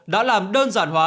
đã làm đơn giản hóa